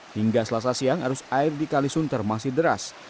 hingga selasa siang arus air di kalisunter masih deras